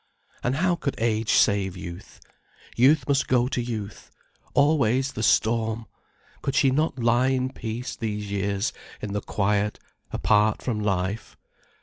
And how could age save youth? Youth must go to youth. Always the storm! Could she not lie in peace, these years, in the quiet, apart from life?